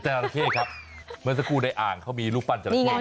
จราเข้ครับเมื่อสักครู่ในอ่างเขามีรูปปั้นจราเข้